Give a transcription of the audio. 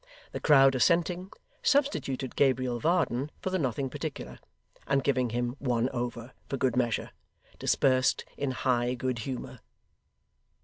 The crowd assenting, substituted Gabriel Varden for the nothing particular; and giving him one over, for good measure, dispersed in high good humour.